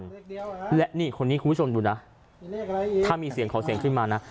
ครับนี่คุณพูดชมดูน่ะถ้ามีเขาเสียงขอเสียงขึ้นมานะ